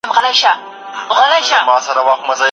ده د ټولنيزي پرمختيا دورې تشريح کړی.